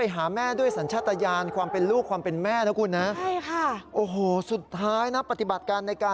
ให้ช่วยเหลือลูกช้าง